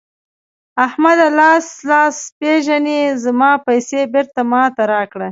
احمده؛ لاس لاس پېژني ـ زما پيسې بېرته ما ته راکړه.